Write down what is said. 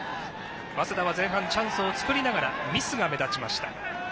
早稲田は前半チャンスを作りながらミスが目立ちました。